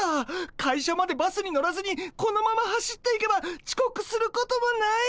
会社までバスに乗らずにこのまま走っていけばちこくすることもない！